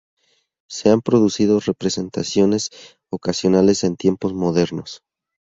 Se han producido representaciones ocasionales en tiempos modernos.